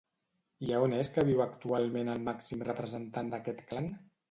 I a on és que viu actualment el màxim representant d'aquest clan?